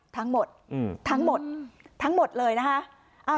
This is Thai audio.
ทั้งหมดทั้งหมดทั้งหมดเลยนะฮะ